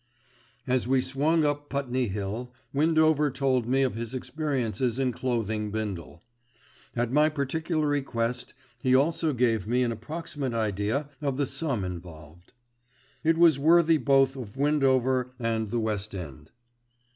As we swung up Putney hill, Windover told me of his experiences in clothing Bindle. At my particular request he also gave me an approximate idea of the sum involved. It was worthy both of Windover and the West End.